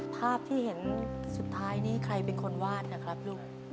ภาพที่เห็นสุดท้ายนี้ใครเป็นคนวาดนะครับลูก